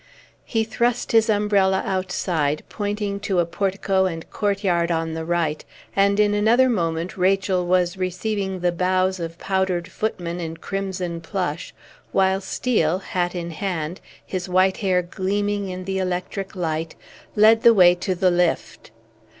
He thrust his umbrella outside, pointing to a portico and courtyard on the right; and in another moment Rachel was receiving the bows of powdered footmen in crimson plush, while Steel, hat in hand, his white hair gleaming in the electric light, led the way to the lift.